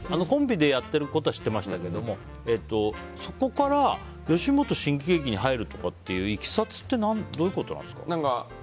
コンビでやってることは知ってましたけどそこから吉本新喜劇に入るとかっていう、いきさつってどういうことなんですか？